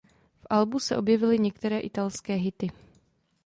V albu se objevily některé italské hity.